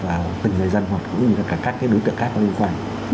và từng người dân hoặc cũng như là cả các cái đối tượng khác có liên quan